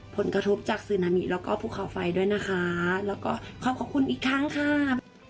ผลกระทบจากซึนามิแล้วก็ภูเขาไฟด้วยนะคะแล้วก็ขอบพระคุณอีกครั้งค่ะ